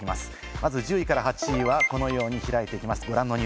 まず１０位から８位はこのように開いていきます。